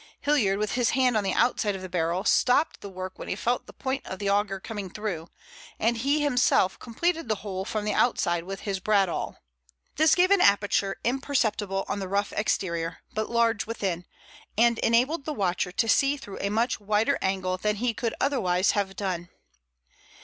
Hilliard, with his hand on the outside of the barrel, stopped the work when he felt the point of the auger coming through, and he himself completed the hole from the outside with his bradawl. This gave an aperture imperceptible on the rough exterior, but large within, and enabled the watcher to see through a much wider angle than he could otherwise have done.